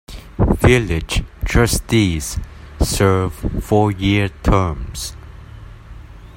Village trustees serve four-year terms.